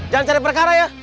jangan cari perkara ya